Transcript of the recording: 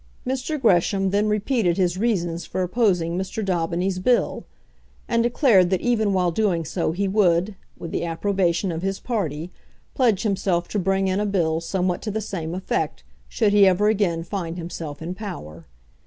Mr. Gresham then repeated his reasons for opposing Mr. Daubeny's bill; and declared that even while doing so he would, with the approbation of his party, pledge himself to bring in a bill somewhat to the same effect, should he ever again find himself in power.